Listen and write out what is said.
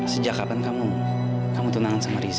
sejak kapan kamu kamu tunangan sama riza